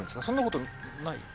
そんなことない？